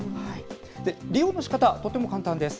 利用のしかた、とても簡単です。